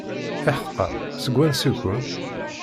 Iḥeqqa, seg wansi-ken?